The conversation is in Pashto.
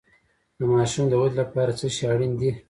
د ماشوم د ودې لپاره څه شی اړین دی؟